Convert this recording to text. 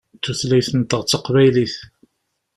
Tutlayt-nteɣ d taqbaylit.